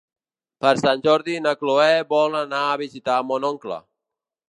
Per Sant Jordi na Chloé vol anar a visitar mon oncle.